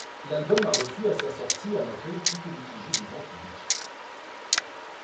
L'album a reçu à sa sortie un accueil plutôt mitigé du grand public.